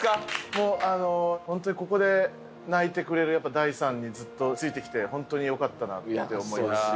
もうあの本当にここで泣いてくれる大さんにずっとついてきて本当によかったなって思いますし。